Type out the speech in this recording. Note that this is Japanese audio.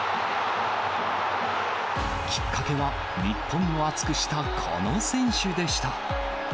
きっかけは、日本を熱くしたこの選手でした。